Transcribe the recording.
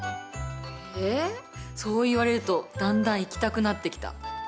えっそう言われるとだんだん行きたくなってきた。